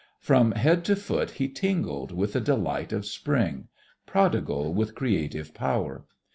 From head to foot he tingled with the delight of Spring, prodigal with creative power.